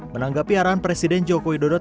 menanggapi arahan presiden jokowi dodo tersebut